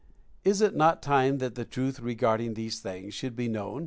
Is it not time that the truth re garding these things should be known?